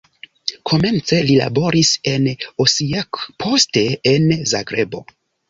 Komence li laboris en Osijek, poste en Zagrebo.